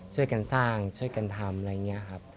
ช่วยกันสร้างช่วยกันทำอะไรอย่างนี้ครับ